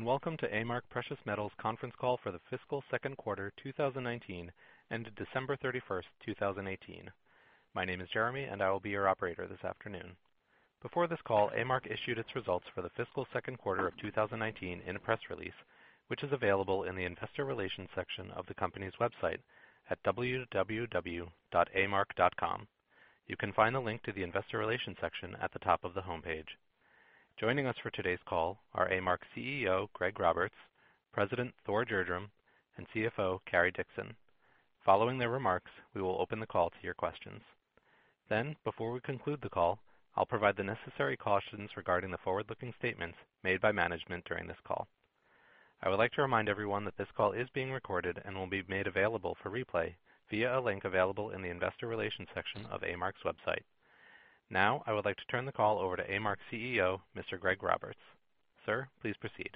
Welcome to A-Mark Precious Metals Conference Call for the Fiscal Second Quarter 2019, ended December 31st, 2018. My name is Jeremy, and I will be your operator this afternoon. Before this call, A-Mark issued its results for the fiscal second quarter of 2019 in a press release, which is available in the investor relations section of the company's website at www.amark.com. You can find the link to the investor relations section at the top of the homepage. Joining us for today's call are A-Mark's CEO, Greg Roberts, President Thor Gjerdrum, and CFO Cary Dickson. Following their remarks, we will open the call to your questions. Before we conclude the call, I will provide the necessary cautions regarding the forward-looking statements made by management during this call. I would like to remind everyone that this call is being recorded and will be made available for replay via a link available in the investor relations section of A-Mark's website. I would like to turn the call over to A-Mark's CEO, Mr. Greg Roberts. Sir, please proceed.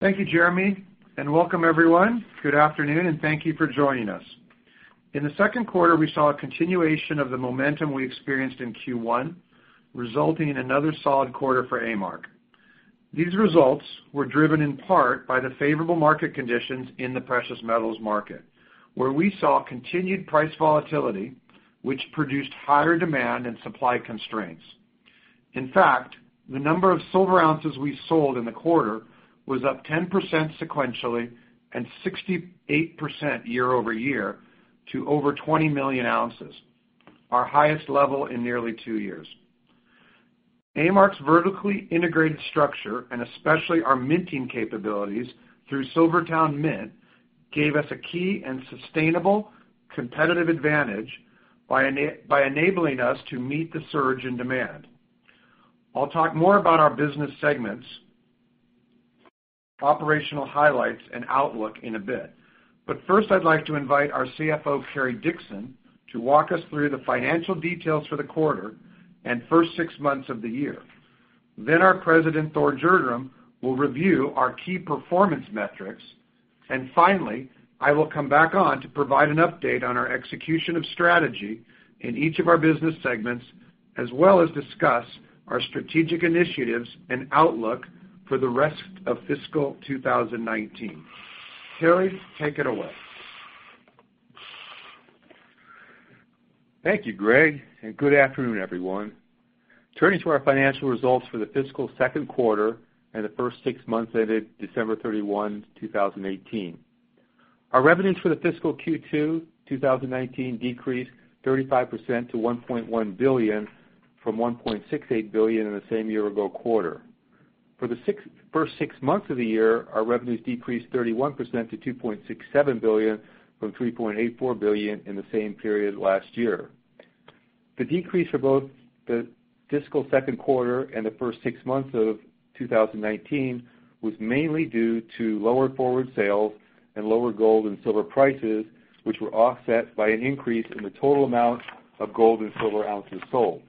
Thank you, Jeremy, welcome everyone. Good afternoon, thank you for joining us. In the second quarter, we saw a continuation of the momentum we experienced in Q1, resulting in another solid quarter for A-Mark. These results were driven in part by the favorable market conditions in the precious metals market, where we saw continued price volatility, which produced higher demand and supply constraints. In fact, the number of silver ounces we sold in the quarter was up 10% sequentially and 68% year-over-year to over 20 million ounces, our highest level in nearly two years. A-Mark's vertically integrated structure, and especially our minting capabilities through SilverTowne Mint, gave us a key and sustainable competitive advantage by enabling us to meet the surge in demand. I will talk more about our business segments, operational highlights, and outlook in a bit. First, I would like to invite our CFO, Cary Dickson, to walk us through the financial details for the quarter and first six months of the year. Our President, Thor Gjerdrum, will review our key performance metrics. Finally, I will come back on to provide an update on our execution of strategy in each of our business segments, as well as discuss our strategic initiatives and outlook for the rest of fiscal 2019. Cary, take it away. Thank you, Greg, and good afternoon, everyone. Turning to our financial results for the fiscal second quarter and the first six months ended December 31, 2018. Our revenues for the fiscal Q2 2019 decreased 35% to $1.1 billion from $1.68 billion in the same year-ago quarter. For the first six months of the year, our revenues decreased 31% to $2.67 billion from $3.84 billion in the same period last year. The decrease for both the fiscal second quarter and the first six months of 2019 was mainly due to lower forward sales and lower gold and silver prices, which were offset by an increase in the total amount of gold and silver ounces sold.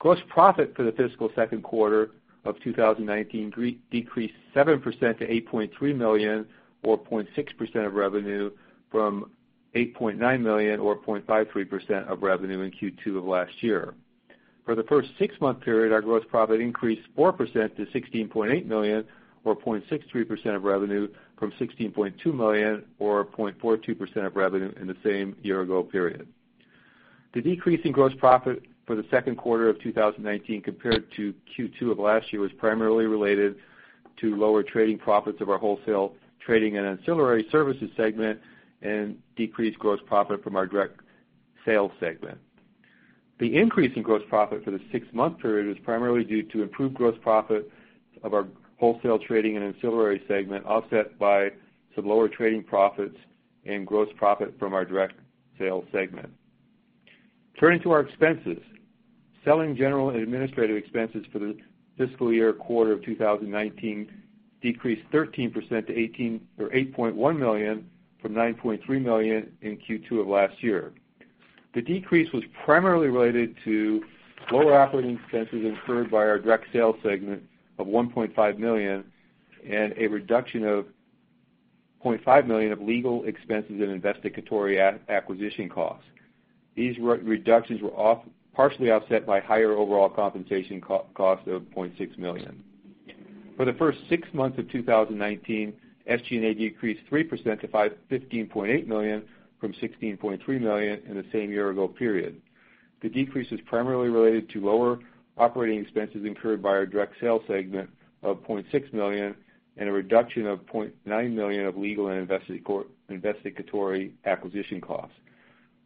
Gross profit for the fiscal second quarter of 2019 decreased 7% to $8.3 million, or 0.6% of revenue, from $8.9 million or 0.53% of revenue in Q2 of last year. For the first six-month period, our gross profit increased 4% to $16.8 million or 0.63% of revenue from $16.2 million or 0.42% of revenue in the same year-ago period. The decrease in gross profit for the second quarter of 2019 compared to Q2 of last year was primarily related to lower trading profits of our wholesale trading and ancillary services segment and decreased gross profit from our direct sales segment. The increase in gross profit for the six-month period was primarily due to improved gross profit of our wholesale trading and ancillary segment, offset by some lower trading profits and gross profit from our direct sales segment. Turning to our expenses. Selling, general and administrative expenses for the fiscal second quarter of 2019 decreased 13% to $8.1 million from $9.3 million in Q2 of last year. The decrease was primarily related to lower operating expenses incurred by our direct sales segment of $1.5 million and a reduction of $0.5 million of legal expenses and investigatory acquisition costs. These reductions were partially offset by higher overall compensation cost of $0.6 million. For the first six months of 2019, SG&A decreased 3% to $15.8 million from $16.3 million in the same year-ago period. The decrease is primarily related to lower operating expenses incurred by our direct sales segment of $0.6 million and a reduction of $0.9 million of legal and investigatory acquisition costs.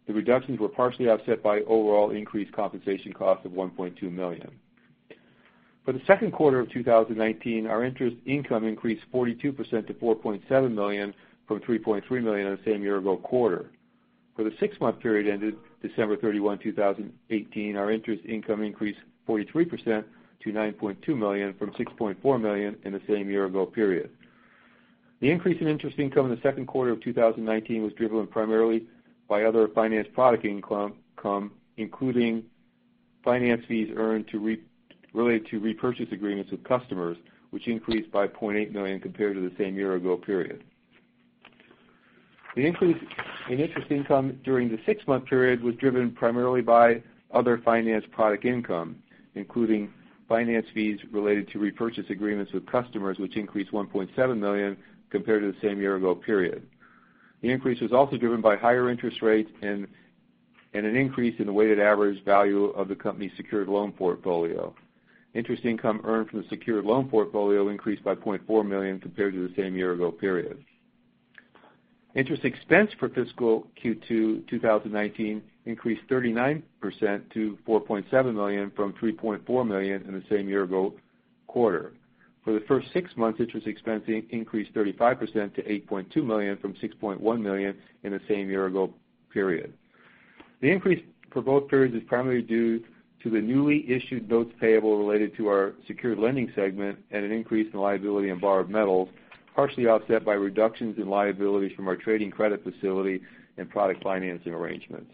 The reductions were partially offset by overall increased compensation costs of $1.2 million. For the second quarter of 2019, our interest income increased 42% to $4.7 million from $3.3 million in the same year-ago quarter. For the six-month period ended December 31, 2018, our interest income increased 43% to $9.2 million from $6.4 million in the same year-ago period. The increase in interest income in the second quarter of 2019 was driven primarily by other finance product income, including finance fees earned related to repurchase agreements with customers, which increased by $0.8 million compared to the same year-ago period. The increase in interest income during the six-month period was driven primarily by other finance product income, including finance fees related to repurchase agreements with customers, which increased $1.7 million compared to the same year-ago period. The increase was also driven by higher interest rates and an increase in the weighted average value of the company's secured loan portfolio. Interest income earned from the secured loan portfolio increased by $0.4 million compared to the same year-ago period. Interest expense for fiscal Q2 2019 increased 39% to $4.7 million, from $3.4 million in the same year-ago quarter. For the first six months, interest expense increased 35% to $8.2 million from $6.1 million in the same year-ago period. The increase for both periods is primarily due to the newly issued notes payable related to our secured lending segment and an increase in liability on borrowed metals, partially offset by reductions in liabilities from our trading credit facility and product financing arrangements.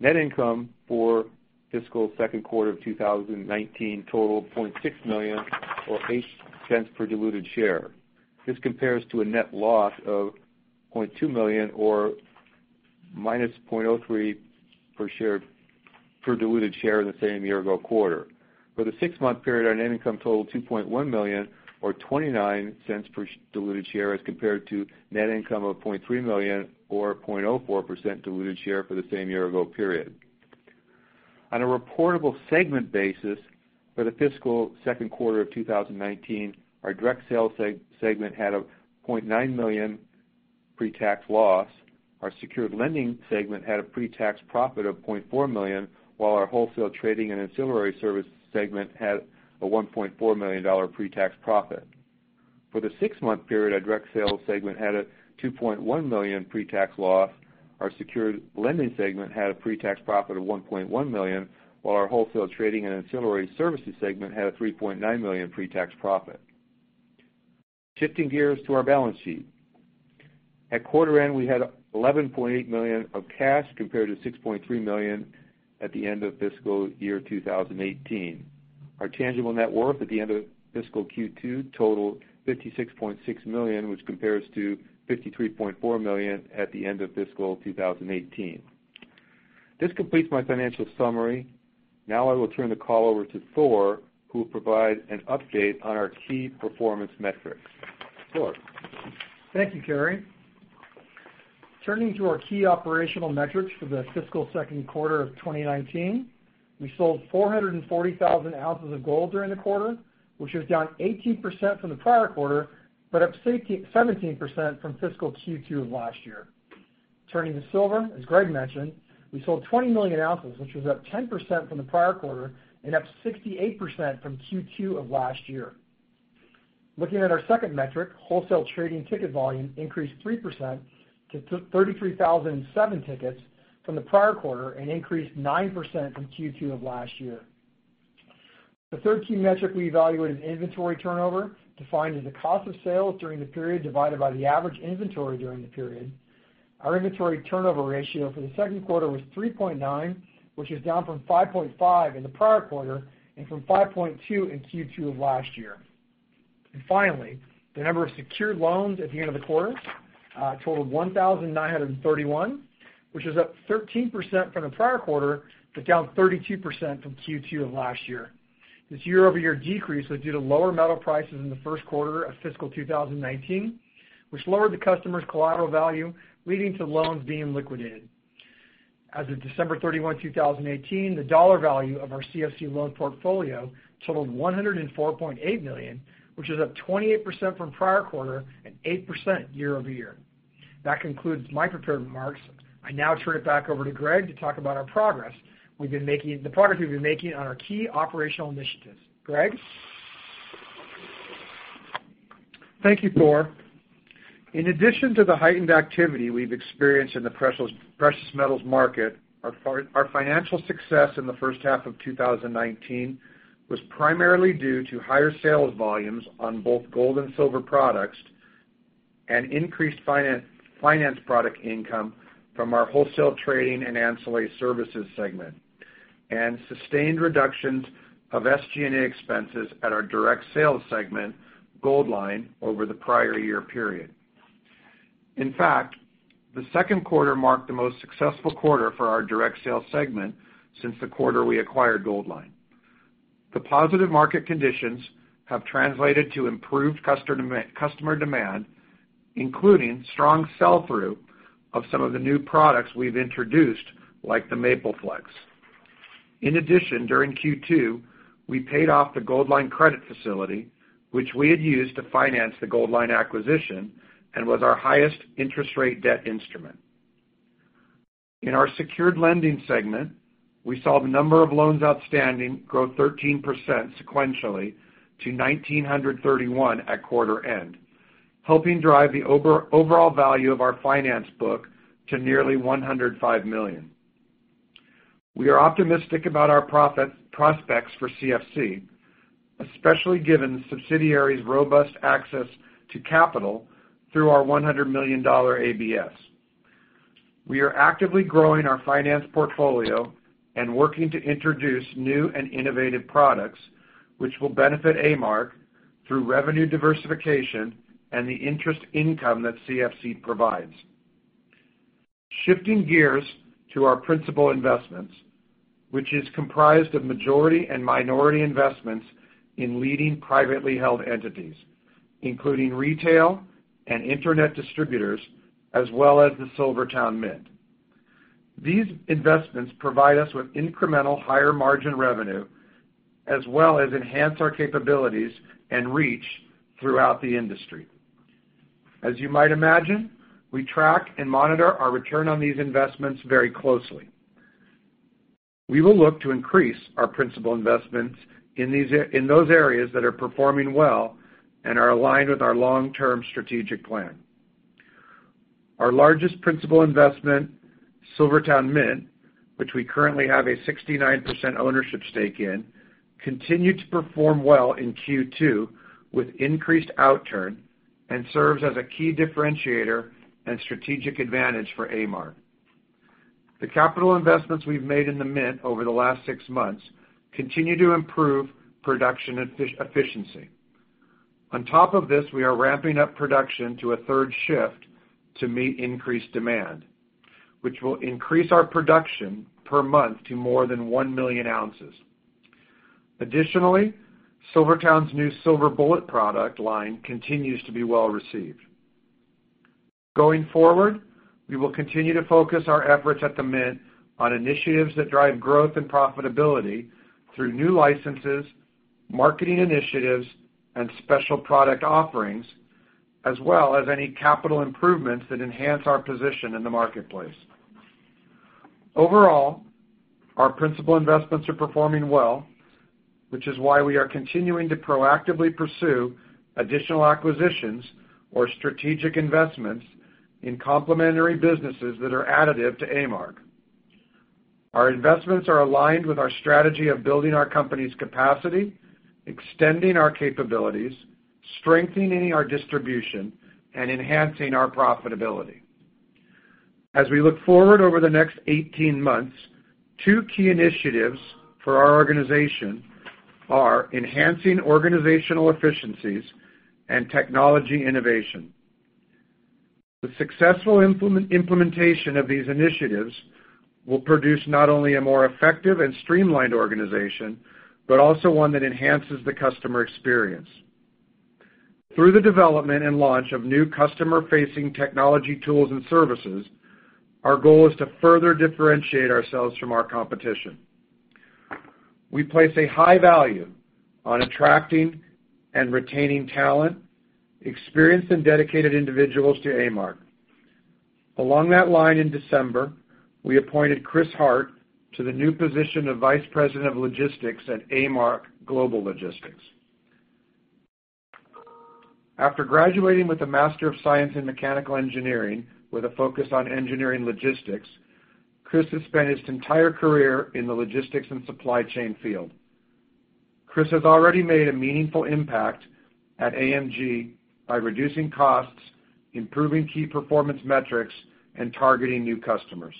Net income for fiscal second quarter of 2019 totaled $0.6 million or $0.08 per diluted share. This compares to a net loss of $0.2 million or -$0.03 per diluted share in the same year-ago quarter. For the six-month period, our net income totaled $2.1 million or $0.29 per diluted share as compared to net income of $0.3 million or $0.04 per diluted share for the same year-ago period. On a reportable segment basis for the fiscal second quarter of 2019, our direct sales segment had a $0.9 million pre-tax loss. Our secured lending segment had a pre-tax profit of $0.4 million, while our wholesale trading and ancillary services segment had a $1.4 million pre-tax profit. For the six-month period, our direct sales segment had a $2.1 million pre-tax loss. Our secured lending segment had a pre-tax profit of $1.1 million, while our wholesale trading and ancillary services segment had a $3.9 million pre-tax profit. Shifting gears to our balance sheet. At quarter end, we had $11.8 million of cash compared to $6.3 million at the end of fiscal year 2018. Our tangible net worth at the end of fiscal Q2 totaled $56.6 million, which compares to $53.4 million at the end of fiscal 2018. This completes my financial summary. Now I will turn the call over to Thor, who will provide an update on our key performance metrics. Thor? Thank you, Cary. Turning to our key operational metrics for the fiscal second quarter of 2019, we sold 440,000 ounces of gold during the quarter, which was down 18% from the prior quarter, but up 17% from fiscal Q2 of last year. Turning to silver, as Greg mentioned, we sold 20 million ounces, which was up 10% from the prior quarter and up 68% from Q2 of last year. Looking at our second metric, wholesale trading ticket volume increased 3% to 33,007 tickets from the prior quarter and increased 9% from Q2 of last year. The third key metric we evaluate is inventory turnover, defined as the cost of sales during the period divided by the average inventory during the period. Our inventory turnover ratio for the second quarter was 3.9, which is down from 5.5 in the prior quarter and from 5.2 in Q2 of last year. Finally, the number of secured loans at the end of the quarter totaled 1,931, which is up 13% from the prior quarter, but down 32% from Q2 of last year. This year-over-year decrease was due to lower metal prices in the first quarter of fiscal 2019, which lowered the customer's collateral value, leading to loans being liquidated. As of December 31, 2018, the dollar value of our CFC loan portfolio totaled $104.8 million, which is up 28% from prior quarter and 8% year-over-year. That concludes my prepared remarks. I now turn it back over to Greg to talk about our progress we've been making on our key operational initiatives. Greg? Thank you, Thor. In addition to the heightened activity we've experienced in the precious metals market, our financial success in the first half of 2019 was primarily due to higher sales volumes on both gold and silver products and increased finance product income from our wholesale trading and ancillary services segment, and sustained reductions of SG&A expenses at our direct sales segment, Goldline, over the prior year period. In fact, the second quarter marked the most successful quarter for our direct sales segment since the quarter we acquired Goldline. The positive market conditions have translated to improved customer demand, including strong sell-through of some of the new products we've introduced, like the MapleFlex. In addition, during Q2, we paid off the Goldline credit facility, which we had used to finance the Goldline acquisition and was our highest interest rate debt instrument. In our secured lending segment, we saw the number of loans outstanding grow 13% sequentially to 1,931 at quarter end, helping drive the overall value of our finance book to nearly $105 million. We are optimistic about our prospects for CFC, especially given subsidiary's robust access to capital through our $100 million ABS. We are actively growing our finance portfolio and working to introduce new and innovative products, which will benefit A-Mark through revenue diversification and the interest income that CFC provides. Shifting gears to our principal investments, which is comprised of majority and minority investments in leading privately held entities, including retail and internet distributors, as well as the SilverTowne Mint. These investments provide us with incremental higher margin revenue, as well as enhance our capabilities and reach throughout the industry. As you might imagine, we track and monitor our return on these investments very closely. We will look to increase our principal investments in those areas that are performing well and are aligned with our long-term strategic plan. Our largest principal investment, SilverTowne Mint, which we currently have a 69% ownership stake in, continued to perform well in Q2 with increased outturn and serves as a key differentiator and strategic advantage for A-Mark. The capital investments we've made in the Mint over the last six months continue to improve production efficiency. On top of this, we are ramping up production to a third shift to meet increased demand, which will increase our production per month to more than one million ounces. Additionally, SilverTowne's new Silver Bullet product line continues to be well-received. Going forward, we will continue to focus our efforts at the Mint on initiatives that drive growth and profitability through new licenses, marketing initiatives, and special product offerings, as well as any capital improvements that enhance our position in the marketplace. Overall, our principal investments are performing well, which is why we are continuing to proactively pursue additional acquisitions or strategic investments in complementary businesses that are additive to A-Mark. Our investments are aligned with our strategy of building our company's capacity, extending our capabilities, strengthening our distribution, and enhancing our profitability. As we look forward over the next 18 months, two key initiatives for our organization are enhancing organizational efficiencies and technology innovation. The successful implementation of these initiatives will produce not only a more effective and streamlined organization, but also one that enhances the customer experience. Through the development and launch of new customer-facing technology tools and services, our goal is to further differentiate ourselves from our competition. We place a high value on attracting and retaining talent, experienced, and dedicated individuals to A-Mark. Along that line in December, we appointed Chris Hart to the new position of Vice President of Logistics at A-Mark Global Logistics. After graduating with a Master of Science in Mechanical Engineering with a focus on engineering logistics, Chris has spent his entire career in the logistics and supply chain field. Chris has already made a meaningful impact at AMG by reducing costs, improving key performance metrics, and targeting new customers.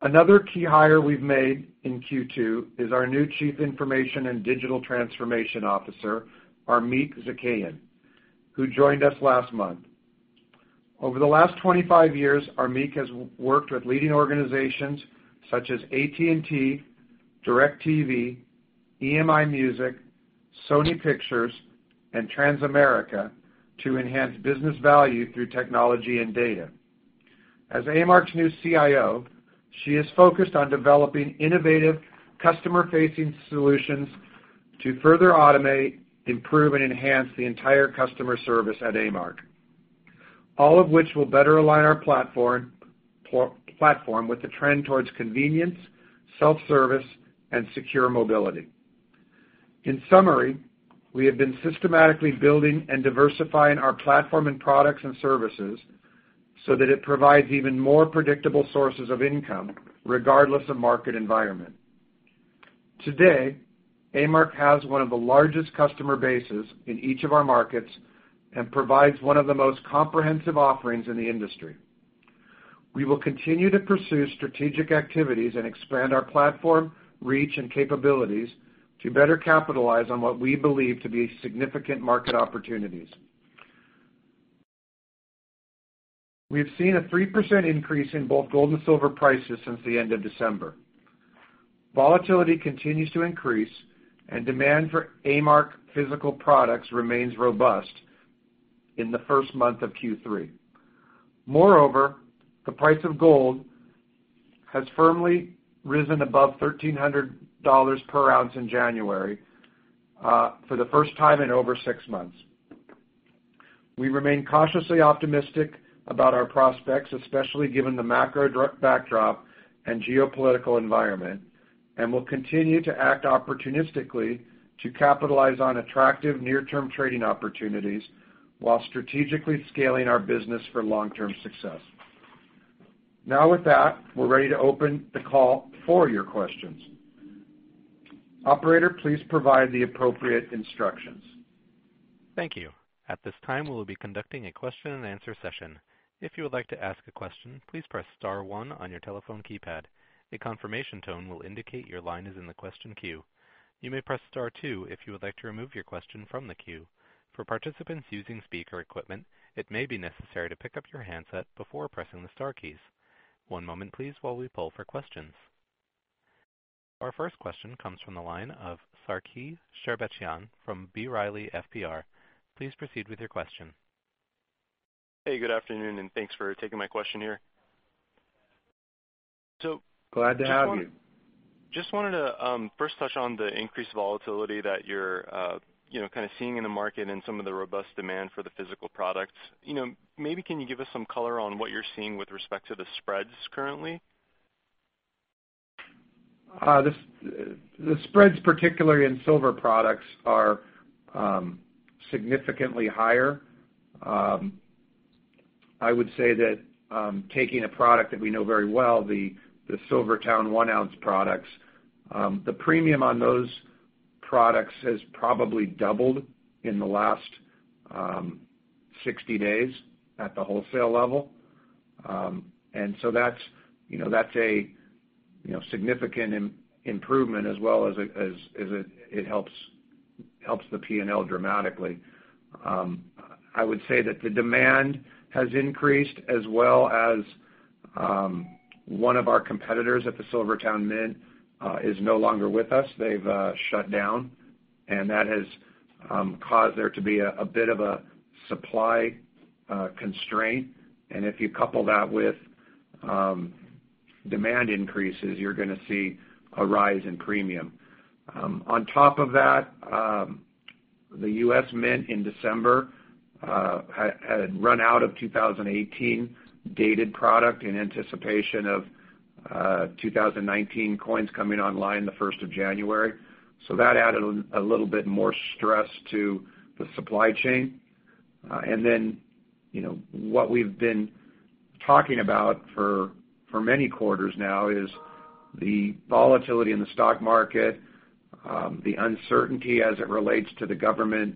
Another key hire we've made in Q2 is our new Chief Information and Digital Transformation Officer, Armik Zakian, who joined us last month. Over the last 25 years, Armik has worked with leading organizations such as AT&T, DirecTV, EMI Music, Sony Pictures, and Transamerica to enhance business value through technology and data. As A-Mark's new CIO, she is focused on developing innovative customer-facing solutions to further automate, improve, and enhance the entire customer service at A-Mark. All of which will better align our platform with the trend towards convenience, self-service, and secure mobility. In summary, we have been systematically building and diversifying our platform and products and services so that it provides even more predictable sources of income regardless of market environment. Today, A-Mark has one of the largest customer bases in each of our markets and provides one of the most comprehensive offerings in the industry. We will continue to pursue strategic activities and expand our platform, reach, and capabilities to better capitalize on what we believe to be significant market opportunities. We have seen a 3% increase in both gold and silver prices since the end of December. Volatility continues to increase and demand for A-Mark physical products remains robust in the first month of Q3. Moreover, the price of gold has firmly risen above $1,300 per ounce in January for the first time in over six months. We remain cautiously optimistic about our prospects, especially given the macro backdrop and geopolitical environment, and will continue to act opportunistically to capitalize on attractive near-term trading opportunities while strategically scaling our business for long-term success. Now with that, we're ready to open the call for your questions. Operator, please provide the appropriate instructions. Thank you. At this time, we will be conducting a question and answer session. If you would like to ask a question, please press star one on your telephone keypad. A confirmation tone will indicate your line is in the question queue. You may press star two if you would like to remove your question from the queue. For participants using speaker equipment, it may be necessary to pick up your handset before pressing the star keys. One moment please while we poll for questions. Our first question comes from the line of Sarkis Sherbetchyan from B. Riley FBR. Please proceed with your question. Hey, good afternoon, thanks for taking my question here. Glad to have you. Just wanted to first touch on the increased volatility that you're kind of seeing in the market and some of the robust demand for the physical products. Can you give us some color on what you're seeing with respect to the spreads currently? The spreads, particularly in silver products, are significantly higher. I would say that taking a product that we know very well, the SilverTowne one-ounce products, the premium on those products has probably doubled in the last 60 days at the wholesale level. That's a significant improvement as well as it helps the P&L dramatically. I would say that the demand has increased as well as one of our competitors at the SilverTowne Mint is no longer with us. They've shut down, and that has caused there to be a bit of a supply constraint. If you couple that with demand increases, you're going to see a rise in premium. On top of that, the U.S. Mint in December had run out of 2018-dated product in anticipation of 2019 coins coming online the first of January. That added a little bit more stress to the supply chain. What we've been talking about for many quarters now is the volatility in the stock market, the uncertainty as it relates to the government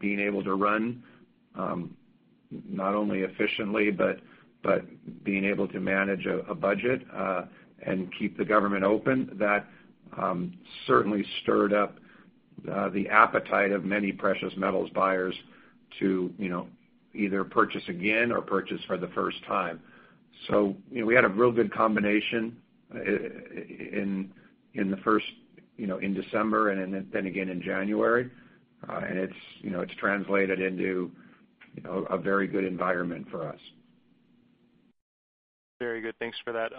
being able to run, not only efficiently, but being able to manage a budget, and keep the government open. That certainly stirred up the appetite of many precious metals buyers to either purchase again or purchase for the first time. We had a real good combination in December and again in January. It's translated into a very good environment for us. Very good. Thanks for that.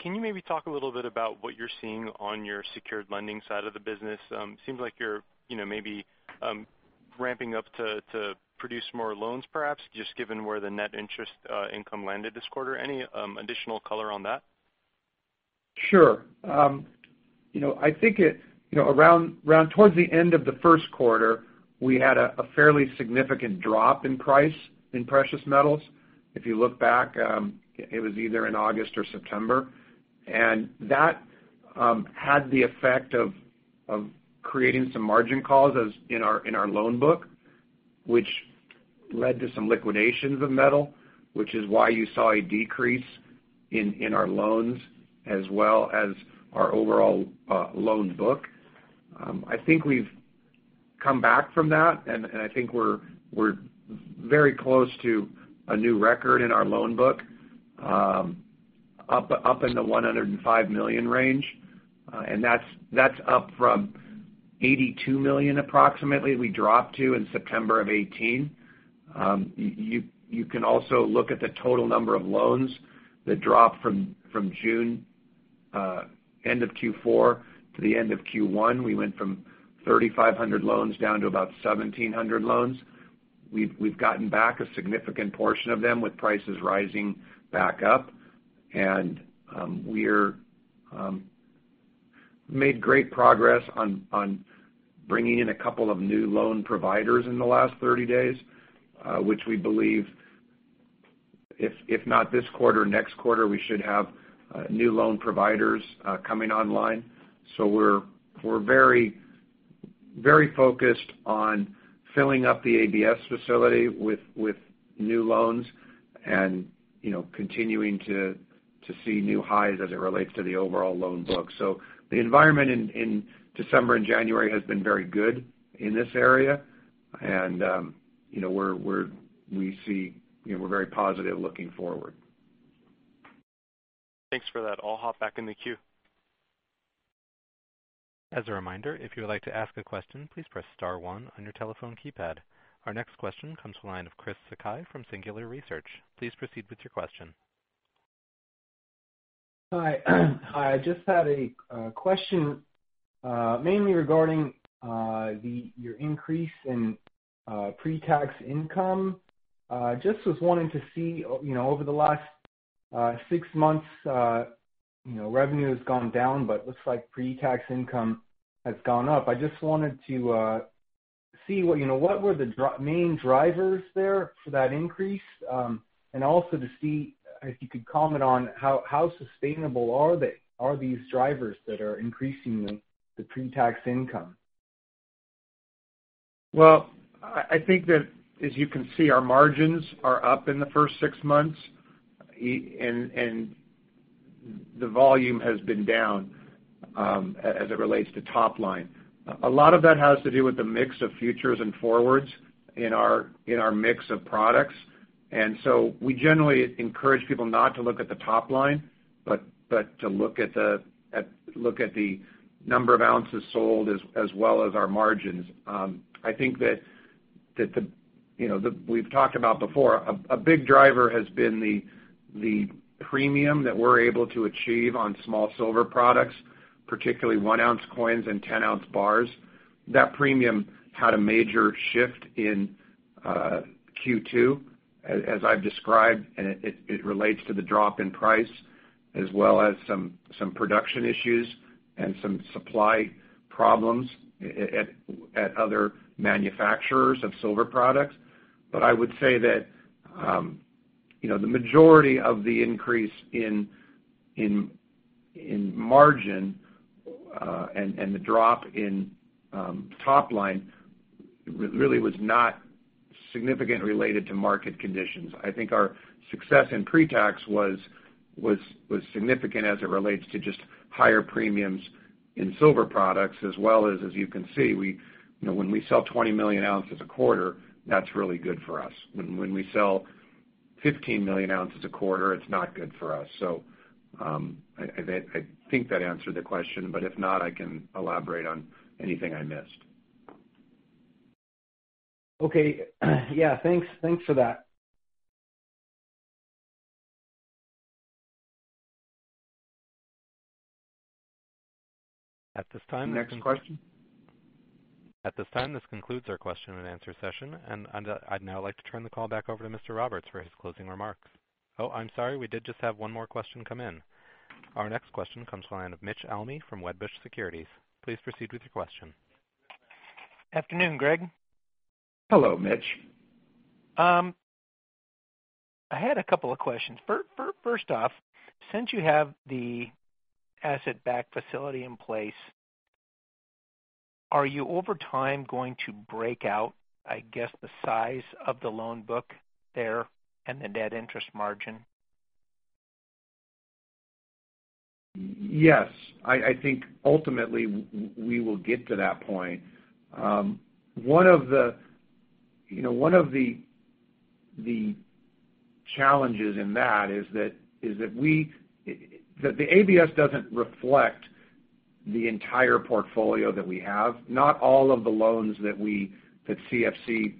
Can you maybe talk a little bit about what you're seeing on your secured lending side of the business? Seems like you're maybe ramping up to produce more loans perhaps, just given where the net interest income landed this quarter. Any additional color on that? Sure. I think towards the end of the first quarter, we had a fairly significant drop in price in precious metals. If you look back, it was either in August or September. That had the effect of creating some margin calls in our loan book, which led to some liquidations of metal, which is why you saw a decrease in our loans as well as our overall loan book. I think we've come back from that, and I think we're very close to a new record in our loan book, up in the $105 million range. That's up from $82 million approximately we dropped to in September of 2018. You can also look at the total number of loans that dropped from June, end of Q4 to the end of Q1. We went from 3,500 loans down to about 1,700 loans. We've gotten back a significant portion of them with prices rising back up, and we're made great progress on bringing in a couple of new loan providers in the last 30 days, which we believe if not this quarter, next quarter, we should have new loan providers coming online. We're very focused on filling up the ABS facility with new loans and continuing to see new highs as it relates to the overall loan book. The environment in December and January has been very good in this area. We're very positive looking forward. Thanks for that. I'll hop back in the queue. As a reminder, if you would like to ask a question, please press star one on your telephone keypad. Our next question comes from the line of Chris Sakai from Singular Research. Please proceed with your question. Hi. I just had a question mainly regarding your increase in pre-tax income. Just was wanting to see over the last six months, revenue has gone down, but looks like pre-tax income has gone up. I just wanted to see what were the main drivers there for that increase, and also to see if you could comment on how sustainable are these drivers that are increasing the pre-tax income? I think that as you can see, our margins are up in the first six months, and the volume has been down as it relates to top line. A lot of that has to do with the mix of futures and forwards in our mix of products. We generally encourage people not to look at the top line, but to look at the number of ounces sold as well as our margins. I think that we've talked about before, a big driver has been the premium that we're able to achieve on small silver products, particularly one-ounce coins and 10-ounce bars. That premium had a major shift in Q2, as I've described. It relates to the drop in price, as well as some production issues and some supply problems at other manufacturers of silver products. I would say that the majority of the increase in margin and the drop in top line really was not significantly related to market conditions. I think our success in pre-tax was significant as it relates to just higher premiums in silver products as well as, you can see, when we sell 20 million ounces a quarter, that's really good for us. When we sell 15 million ounces a quarter, it's not good for us. I think that answered the question, but if not, I can elaborate on anything I missed. Okay. Yeah, thanks for that. At this time. Next question. At this time, this concludes our question and answer session, and I'd now like to turn the call back over to Mr. Roberts for his closing remarks. Oh, I'm sorry, we did just have one more question come in. Our next question comes to the line of Mitchell Almy from Wedbush Securities. Please proceed with your question. Afternoon, Greg. Hello, Mitch. I had a couple of questions. First off, since you have the asset-backed facility in place, are you over time going to break out, I guess, the size of the loan book there and the net interest margin? Yes. I think ultimately we will get to that point. One of the challenges in that is that the ABS doesn't reflect the entire portfolio that we have. Not all of the loans that CFC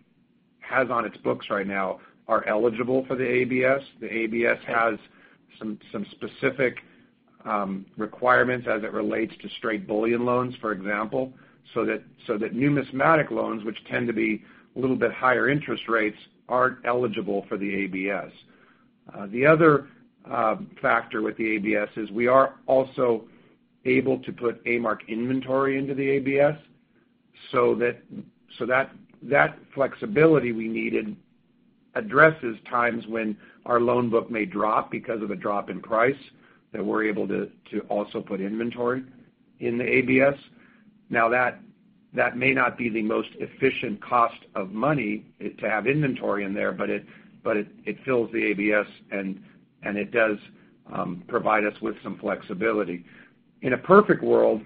has on its books right now are eligible for the ABS. The ABS has some specific requirements as it relates to straight bullion loans, for example, so that numismatic loans, which tend to be a little bit higher interest rates, aren't eligible for the ABS. The other factor with the ABS is we are also able to put A-Mark inventory into the ABS, so that flexibility we needed addresses times when our loan book may drop because of a drop in price that we're able to also put inventory in the ABS. Now, that may not be the most efficient cost of money to have inventory in there, it fills the ABS, and it does provide us with some flexibility. In a perfect world,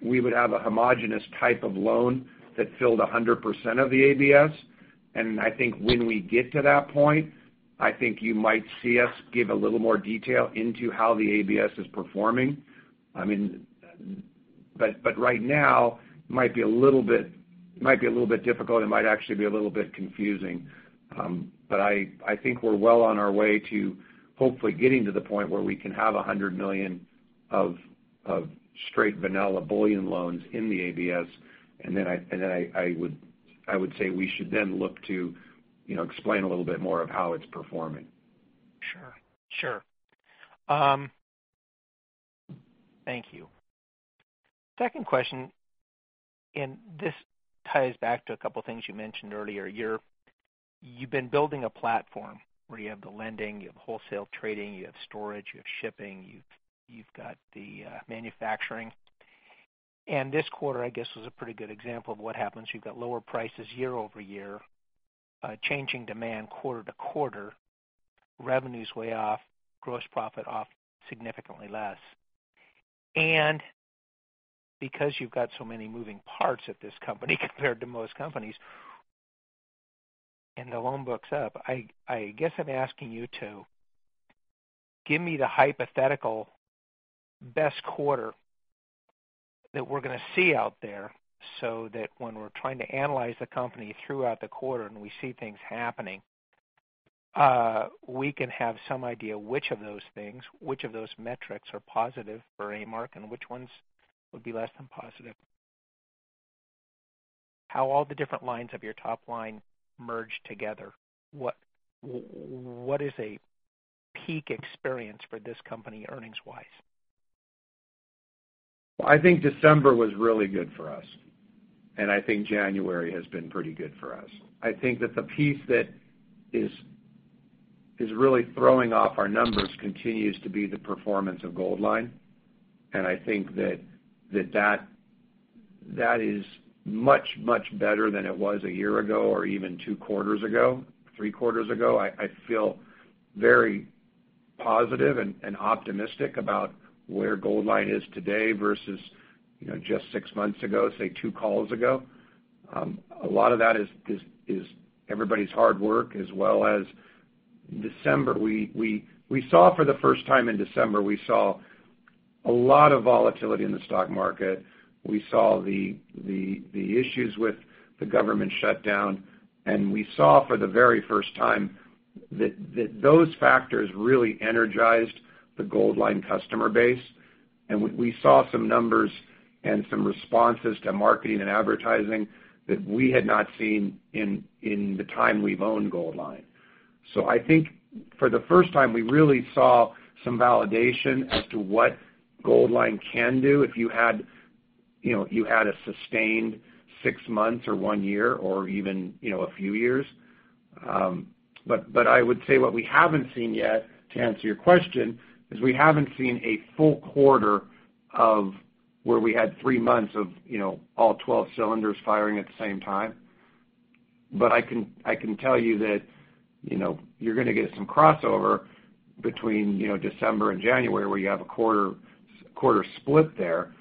we would have a homogenous type of loan that filled 100% of the ABS. I think when we get to that point, I think you might see us give a little more detail into how the ABS is performing. Right now, it might be a little bit difficult, it might actually be a little bit confusing. I think we're well on our way to hopefully getting to the point where we can have $100 million of straight vanilla bullion loans in the ABS, I would say we should then look to explain a little bit more of how it's performing. Sure. Thank you. Second question. This ties back to a couple of things you mentioned earlier. You've been building a platform where you have the lending, you have wholesale trading, you have storage, you have shipping, you've got the manufacturing. This quarter, I guess, was a pretty good example of what happens. You've got lower prices year-over-year, changing demand quarter-to-quarter, revenues way off, gross profit off significantly less. Because you've got so many moving parts at this company compared to most companies, and the loan book's up, I guess I'm asking you to give me the hypothetical best quarter that we're going to see out there so that when we're trying to analyze the company throughout the quarter and we see things happening, we can have some idea which of those things, which of those metrics are positive for A-Mark and which ones would be less than positive. How all the different lines of your top line merge together. What is a peak experience for this company earnings-wise? I think December was really good for us. I think January has been pretty good for us. I think that the piece that is really throwing off our numbers continues to be the performance of Goldline. I think that is much, much better than it was a year ago or even two quarters ago, three quarters ago. I feel very positive and optimistic about where Goldline is today versus just 6 months ago, say, two calls ago. A lot of that is everybody's hard work as well as December. For the first time in December, we saw a lot of volatility in the stock market. We saw the issues with the government shutdown. We saw for the very first time that those factors really energized the Goldline customer base. We saw some numbers and some responses to marketing and advertising that we had not seen in the time we've owned Goldline. I think for the first time, we really saw some validation as to what Goldline can do if you had a sustained six months or one year or even a few years. I would say what we haven't seen yet, to answer your question, is we haven't seen a full quarter of where we had three months of all 12 cylinders firing at the same time. I can tell you that you're going to get some crossover between December and January where you have a quarter split there.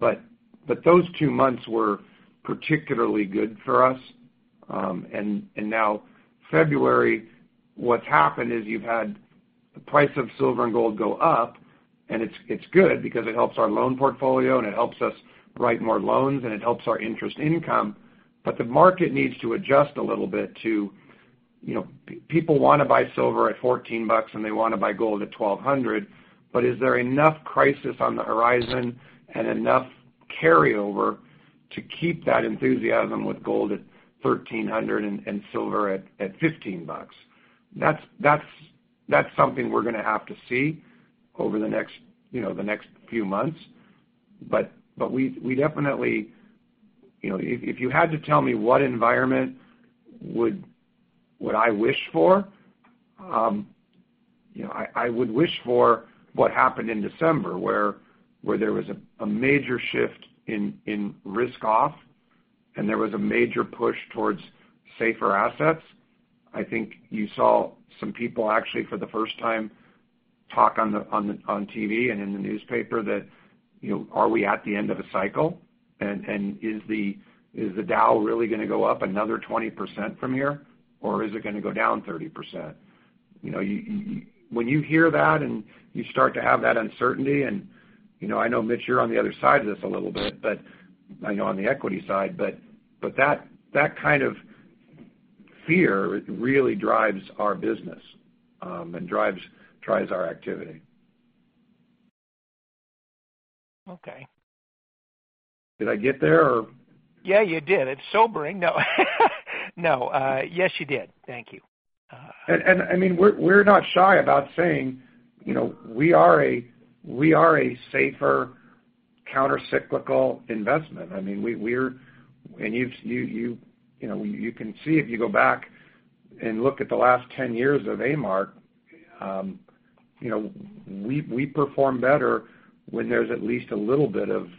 Those two months were particularly good for us. Now February, what's happened is you've had the price of silver and gold go up, and it's good because it helps our loan portfolio, and it helps us write more loans, and it helps our interest income. The market needs to adjust a little bit. People want to buy silver at $14, and they want to buy gold at $1,200, is there enough crisis on the horizon and enough carryover to keep that enthusiasm with gold at $1,300 and silver at $15? That's something we're going to have to see over the next few months. If you had to tell me what environment would I wish for, I would wish for what happened in December, where there was a major shift in risk off, and there was a major push towards safer assets. I think you saw some people actually, for the first time, talk on TV and in the newspaper that, are we at the end of a cycle? Is the Dow really going to go up another 20% from here, or is it going to go down 30%? When you hear that and you start to have that uncertainty, and I know, Mitch, you're on the other side of this a little bit, on the equity side, that kind of fear really drives our business, and drives our activity. Okay. Did I get there or? Yeah, you did. It's sobering. No. Yes, you did. Thank you. We're not shy about saying we are a safer counter-cyclical investment. You can see if you go back and look at the last 10 years of A-Mark, we perform better when there's at least a little bit of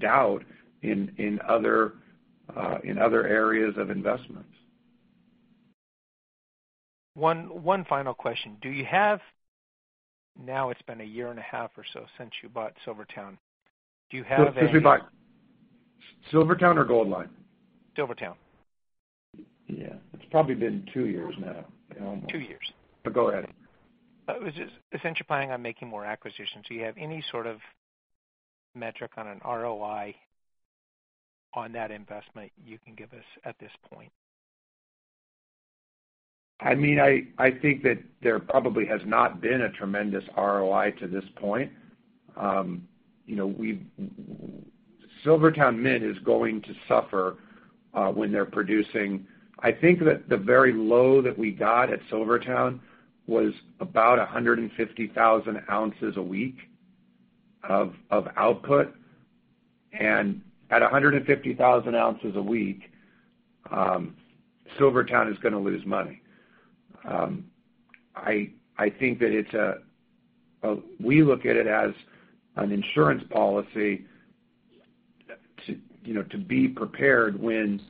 doubt in other areas of investments. One final question. It's been a year and a half or so since you bought SilverTowne. Do you have Excuse me. SilverTowne or Goldline? SilverTowne. It's probably been two years now. Two years. Go ahead. Since you're planning on making more acquisitions, do you have any sort of metric on an ROI on that investment you can give us at this point? I think that there probably has not been a tremendous ROI to this point. SilverTowne Mint is going to suffer when they're producing. I think that the very low that we got at SilverTowne was about 150,000 ounces a week of output. At 150,000 ounces a week, SilverTowne is going to lose money. We look at it as an insurance policy to be prepared when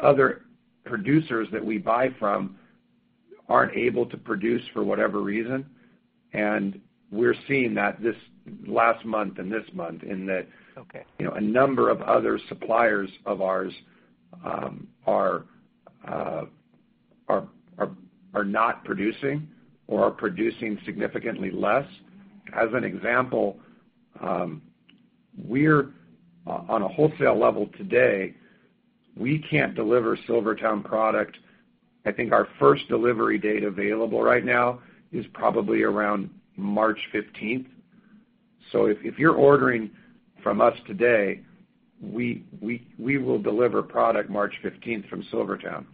other producers that we buy from aren't able to produce for whatever reason. We're seeing that this last month and this month in that. Okay A number of other suppliers of ours are not producing or are producing significantly less. As an example, on a wholesale level today, we can't deliver SilverTowne product. I think our first delivery date available right now is probably around March 15th. If you're ordering from us today, we will deliver product March 15th from SilverTowne.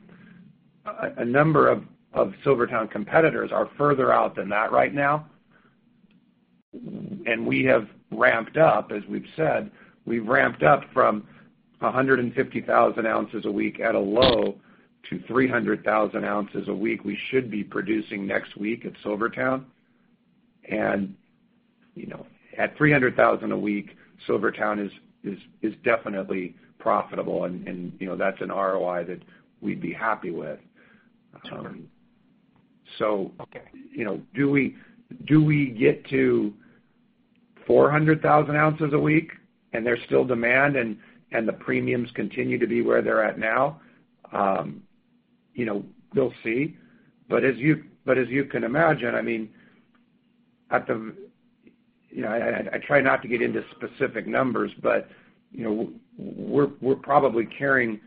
A number of SilverTowne competitors are further out than that right now, and we have ramped up, as we've said, we've ramped up from 150,000 ounces a week at a low to 300,000 ounces a week we should be producing next week at SilverTowne. At 300,000 a week, SilverTowne is definitely profitable and that's an ROI that we'd be happy with. Okay. Do we get to 400,000 ounces a week and there's still demand and the premiums continue to be where they're at now? We'll see. As you can imagine, I try not to get into specific numbers, but we're probably carrying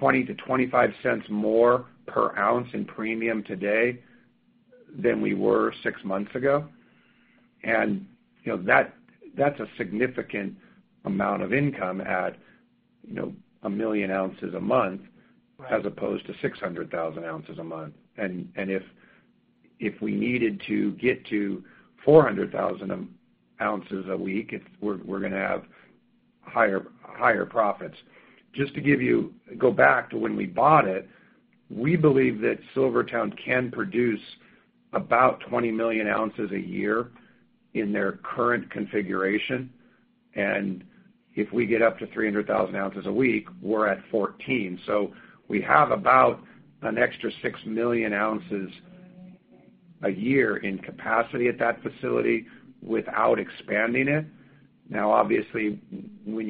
$0.20-$0.25 more per ounce in premium today than we were six months ago. That's a significant amount of income at 1 million ounces a month as opposed to 600,000 ounces a month. If we needed to get to 400,000 ounces a week, we're going to have higher profits. Just to go back to when we bought it, we believe that SilverTowne can produce about 20 million ounces a year in their current configuration. If we get up to 300,000 ounces a week, we're at 14. We have about an extra 6 million ounces a year in capacity at that facility without expanding it. Obviously, when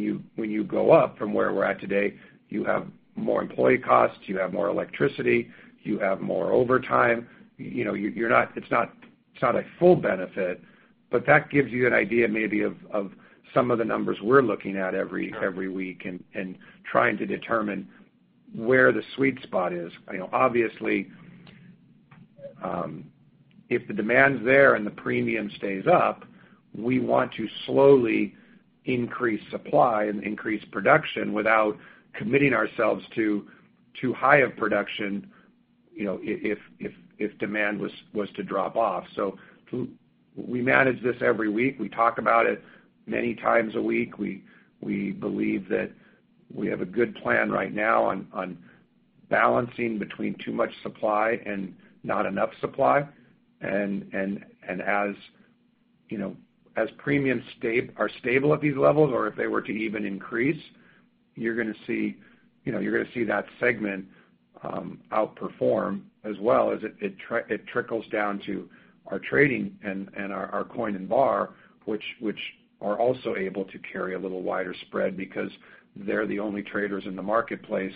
you go up from where we're at today, you have more employee costs, you have more electricity, you have more overtime. It's not a full benefit, that gives you an idea maybe of some of the numbers we're looking at every week and trying to determine where the sweet spot is. Obviously, if the demand's there and the premium stays up, we want to slowly increase supply and increase production without committing ourselves to too high of production if demand was to drop off. We manage this every week. We talk about it many times a week. We believe that we have a good plan right now on balancing between too much supply and not enough supply. As premiums are stable at these levels, or if they were to even increase, you're going to see that segment outperform as well as it trickles down to our trading and our coin and bar, which are also able to carry a little wider spread because they're the only traders in the marketplace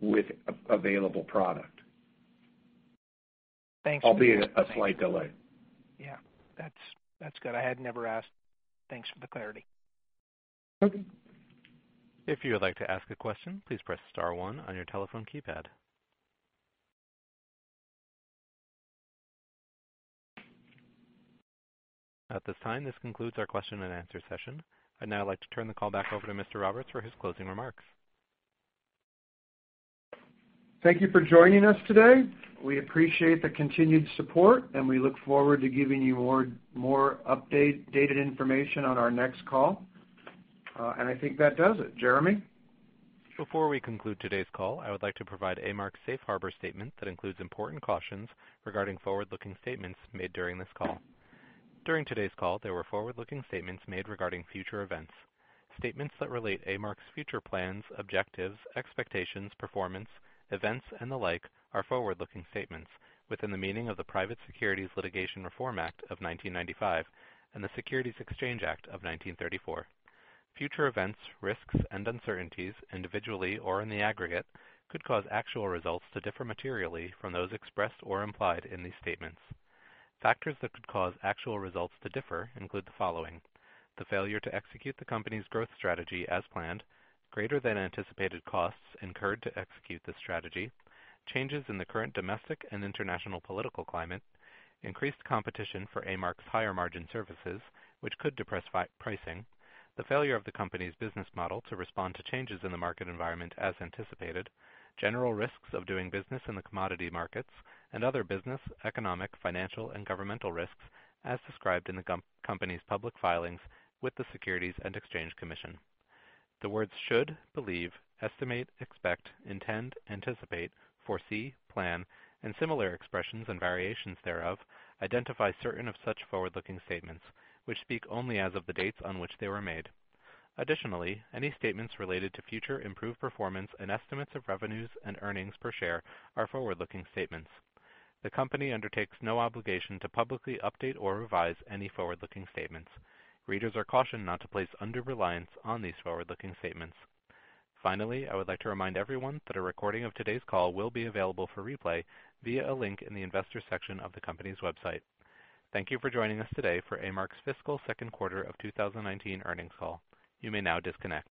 with available product. Thanks. Albeit a slight delay. Yeah. That's good. I had never asked. Thanks for the clarity. Okay. If you would like to ask a question, please press star one on your telephone keypad. At this time, this concludes our question and answer session. I'd now like to turn the call back over to Mr. Roberts for his closing remarks. Thank you for joining us today. We appreciate the continued support, and we look forward to giving you more updated information on our next call. I think that does it. Jeremy? Before we conclude today's call, I would like to provide A-Mark's Safe Harbor statement that includes important cautions regarding forward-looking statements made during this call. During today's call, there were forward-looking statements made regarding future events. Statements that relate A-Mark's future plans, objectives, expectations, performance, events, and the like are forward-looking statements within the meaning of the Private Securities Litigation Reform Act of 1995 and the Securities Exchange Act of 1934. Future events, risks, and uncertainties, individually or in the aggregate, could cause actual results to differ materially from those expressed or implied in these statements. Factors that could cause actual results to differ include the following: The failure to execute the company's growth strategy as planned, greater than anticipated costs incurred to execute this strategy, changes in the current domestic and international political climate, increased competition for A-Mark's higher margin services, which could depress pricing, the failure of the company's business model to respond to changes in the market environment as anticipated, general risks of doing business in the commodity markets, and other business, economic, financial, and governmental risks as described in the company's public filings with the Securities and Exchange Commission. The words should, believe, estimate, expect, intend, anticipate, foresee, plan, and similar expressions and variations thereof, identify certain of such forward-looking statements, which speak only as of the dates on which they were made. Additionally, any statements related to future improved performance and estimates of revenues and earnings per share are forward-looking statements. The company undertakes no obligation to publicly update or revise any forward-looking statements. Readers are cautioned not to place undue reliance on these forward-looking statements. Finally, I would like to remind everyone that a recording of today's call will be available for replay via a link in the Investors section of the company's website. Thank you for joining us today for A-Mark's fiscal second quarter of 2019 earnings call. You may now disconnect.